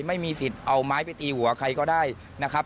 ไม่มีสิทธิ์เอาไม้ไปตีหัวใครก็ได้นะครับ